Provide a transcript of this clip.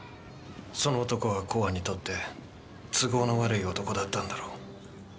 その男は公安にとって都合の悪い男だったんだろう。